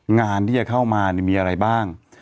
งานที่จะเข้ามามีอะไรบ้าง